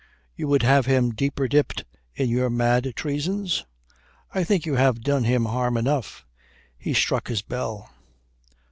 "You would have him deeper dipped in your mad treasons? I think you have done him harm enough." He struck his bell.